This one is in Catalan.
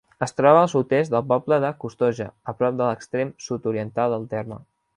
Es troba al sud-est del poble de Costoja, a prop de l'extrem sud-oriental del terme.